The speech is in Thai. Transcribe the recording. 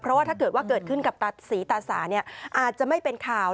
เพราะว่าถ้าเกิดว่าเกิดขึ้นกับตาศรีตาสาเนี่ยอาจจะไม่เป็นข่าว